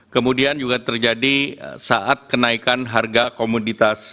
kemudian juga terjadi saat kenaikan harga komoditas